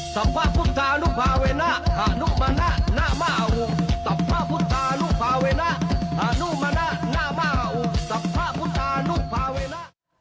ต่อพระพุทธานุภาเวณะฆานุมณะน่ามาอุต่อพระพุทธานุภาเวณะฆานุมณะน่ามาอุต่อพระพุทธานุภาเวณะ